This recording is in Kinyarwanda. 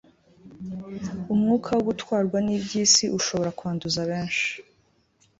Umwuka wo gutwarwa nibyisi ushobora kwanduza benshi